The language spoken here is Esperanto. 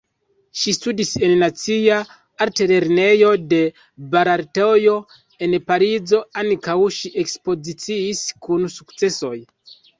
Ŝi studis en Nacia Altlernejo de Belartoj en Parizo, ankaŭ ŝi ekspoziciis kun sukcesoj.